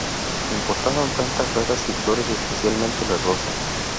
Importaban plantas raras y flores, especialmente la rosa.